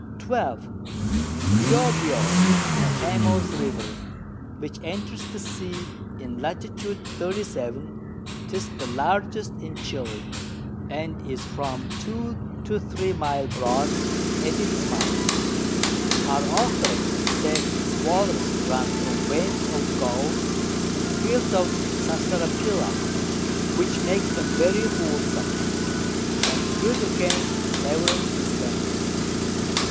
12. Biobio, a famous River, which enters the Sea, in Lat. 37. 'tis the largest in Chili, and is from 2 to 3 Mile broad at its Mouth. Our Author says its Waters run thro' Veins of Gold, and Fields of Sarsaparilla, which make them very wholesom, and good against several Distempers.